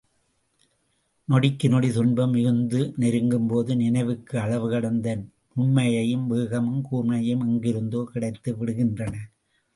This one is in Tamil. நொடிக்கு நொடி துன்பம் மிகுந்து நெருக்கும்போது, நினைவுக்கு அளவு கடந்த நுண்மையும் வேகமும் கூர்மையும் எங்கிருந்தோ கிடைத்து விடுகின்றன.